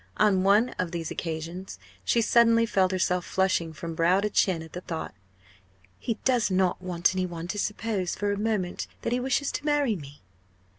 On one of these occasions she suddenly felt herself flushing from brow to chin at the thought "He does not want any one to suppose for a moment that he wishes to marry me!"